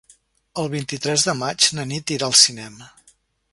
El vint-i-tres de maig na Nit irà al cinema.